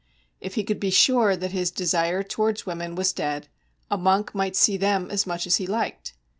If he could be sure that his desire towards women was dead, a monk might see them as much as he liked.